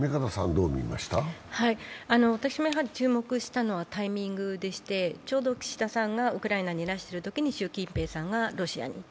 私もやはり注目したのはタイミングでして、ちょうど岸田さんがウクライナにいらしているときに習近平さんがロシアに。